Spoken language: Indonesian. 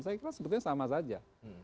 sebetulnya sama saja